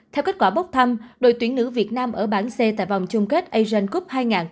theo kết quả bốc thăm đội tuyển nữ việt nam ở bảng c tại vòng chung kết asian cup hai nghìn hai mươi